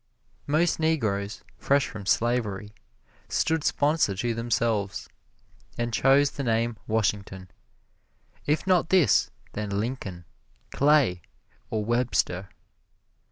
Most Negroes, fresh from slavery, stood sponsor to themselves, and chose the name Washington; if not this, then Lincoln, Clay or Webster.